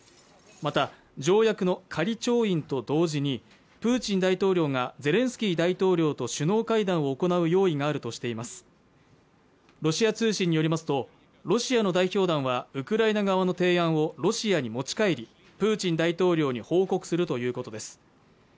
また条約の仮調印と同時にプーチン大統領がゼレンスキー大統領と首脳会談を行う用意があるとしていますロシア通信によりますとロシアの代表団はウクライナ側の提案をロシアに持ち帰りプーチン大統領に報告するということです